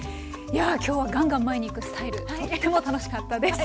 いや今日はガンガン前にいくスタイルとっても楽しかったです。